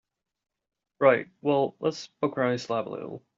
Right, well let's poke around his lab a little.